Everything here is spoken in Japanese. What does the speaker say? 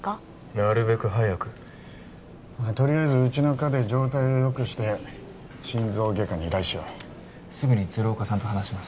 なるべく早くとりあえずうちの科で状態をよくして心臓外科に依頼しようすぐに鶴岡さんと話します